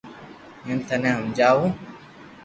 ھين ٿني ھماجاو